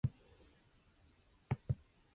It is visible only from around the entrance channel.